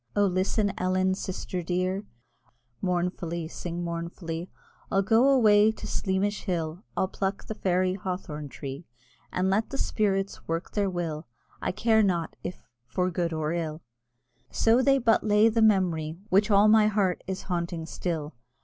O listen, Ellen, sister dear, (Mournfully, sing mournfully) I'll go away to Sleamish hill, I'll pluck the fairy hawthorn tree, And let the spirits work their will; I care not if for good or ill, So they but lay the memory Which all my heart is haunting still!